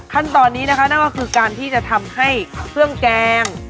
ขั้นตอนนี้นะคะนั่นก็คือการที่จะทำให้เครื่องแกง